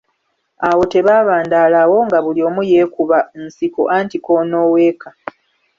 Awo tebaabandaalawo nga buli omu yeekuba nsiko anti k’onooweeka.